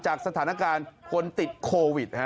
จากสถานการณ์คนติดโควิด